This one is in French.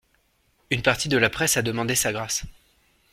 Une partie de la presse a demandé sa grâce.